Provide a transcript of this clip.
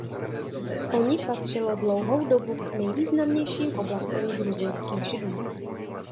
Oni patřilo dlouhou dobu k nejvýznamnějším oblastem gruzínských Židů.